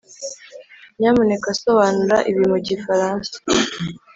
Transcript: nyamuneka sobanura ibi mu gifaransa